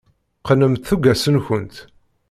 Qqnemt tuggas-nkent.